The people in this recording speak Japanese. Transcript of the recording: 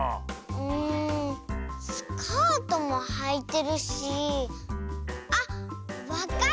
んスカートもはいてるしあっわかった！